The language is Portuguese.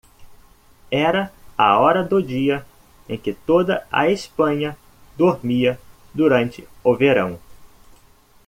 Era a hora do dia em que toda a Espanha dormia durante o verão.